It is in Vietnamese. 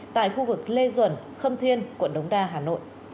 tại khu vực lê duẩn khâm thiên quận đống đa hà nội